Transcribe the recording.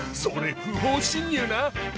それ不法侵入な。